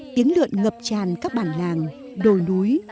tiếng lượn ngập tràn các bản làng đồi núi